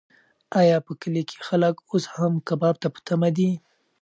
ایا په کلي کې خلک اوس هم کباب ته په تمه دي؟